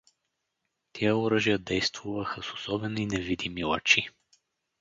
Тия оръжия действуваха с особени невидими лъчи.